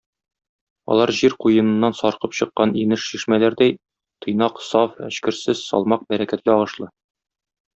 Алар җир куеныннан саркып чыккан инеш-чишмәләрдәй тыйнак, саф, эчкерсез, салмак, бәрәкәтле агышлы.